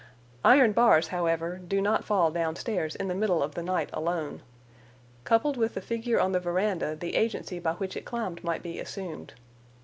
Iron bars, however, do not fall down stairs in the middle of the night alone. Coupled with the figure on the veranda the agency by which it climbed might be assumed.